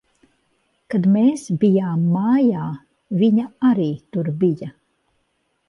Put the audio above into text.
Kad mēs bijām mājā, viņa arī tur bija.